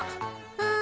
うん。